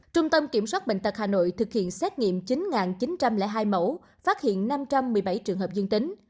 trung tâm kiểm soát bệnh tật hà nội thực hiện xét nghiệm chín chín trăm linh hai mẫu phát hiện năm trăm một mươi bảy trường hợp dương tính